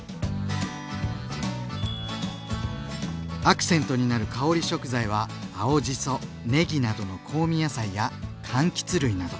アクセントになる香り食材は青じそねぎなどの香味野菜や柑橘類など。